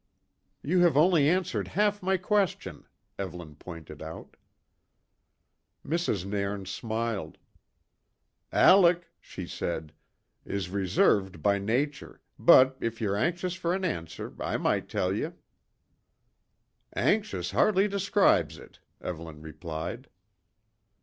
"You have only answered half my question," Evelyn pointed out. Mrs. Nairn smiled. "Alec," she said, "is reserved by nature, but if ye're anxious for an answer I might tell ye." "Anxious hardly describes it," Evelyn replied.